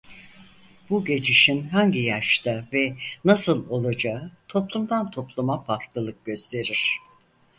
Bu geçişin hangi yaşta ve nasıl olacağı toplumdan topluma farklılık gösterir.